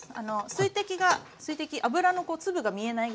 水滴が油の粒が見えないぐらい。